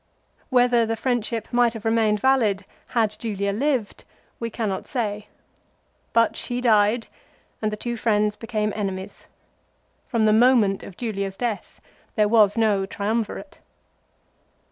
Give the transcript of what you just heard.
1 Whether the friendship might have remained valid had Julia lived we cannot say ; but she died, and the two friends became enemies. From the moment of Julia's death there was no Triumvirate.